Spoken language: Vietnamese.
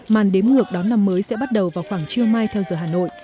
màn đếm ngược đón năm mới sẽ bắt đầu vào khoảng trưa mai theo giờ hà nội